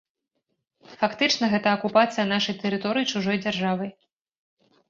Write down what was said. Фактычна, гэта акупацыя нашай тэрыторыі чужой дзяржавай.